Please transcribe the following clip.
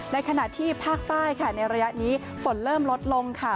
ในขณะที่ภาคใต้ค่ะในระยะนี้ฝนเริ่มลดลงค่ะ